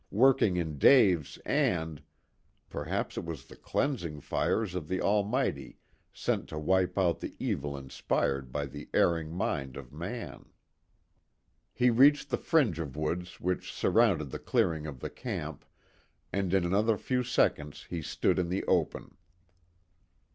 Working in Dave's, and Perhaps it was the cleansing fires of the Almighty sent to wipe out the evil inspired by the erring mind of man. He reached the fringe of woods which surrounded the clearing of the camp, and in another few seconds he stood in the open.